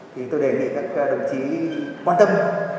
thì tôi đề nghị các đồng chí quan tâm